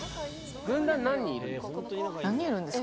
軍団、何人いるんですか？